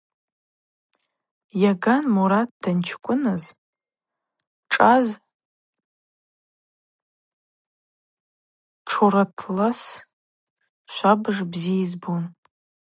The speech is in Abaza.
Йаган Мурат данчкӏвын шӏаз тшуратлас швабыж бзи йбун.